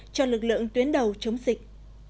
cho lực lượng tuyến đầu chống dịch